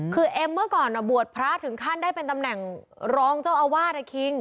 คือเอ็มเมื่อก่อนบวชพระถึงขั้นได้เป็นตำแหน่งรองเจ้าอาวาสนะคิง